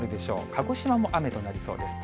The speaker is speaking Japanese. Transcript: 鹿児島も雨となりそうです。